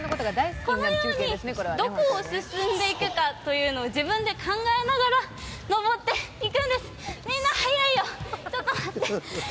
このように、どこを進んでいくかというのを自分で考えながら登っていくんです、みんな速いよちょっと待って。